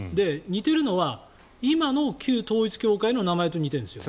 似ているのは今の旧統一教会の名前と似ているんですよ。